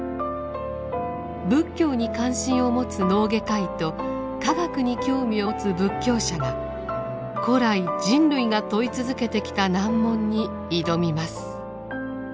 仏教に関心を持つ脳外科医と科学に興味を持つ仏教者が古来人類が問い続けてきた難問に挑みます。